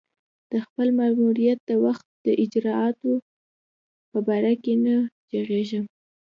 د خپل ماموریت د وخت د اجرآتو په باره کې نه ږغېږم.